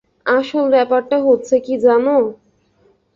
আসল ব্যাপারটা হচ্ছে কী জানো?